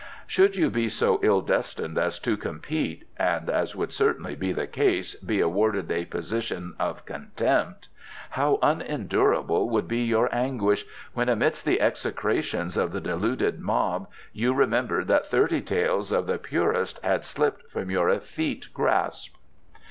"Should you be so ill destined as to compete, and, as would certainly be the case, be awarded a position of contempt, how unendurable would be your anguish when, amidst the execrations of the deluded mob, you remembered that thirty taels of the purest had slipped from your effete grasp."